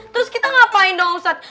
terus kita ngapain dong ustadz